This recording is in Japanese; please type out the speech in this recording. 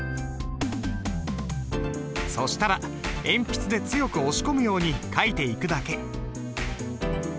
そしたら鉛筆で強く押し込むように書いていくだけ。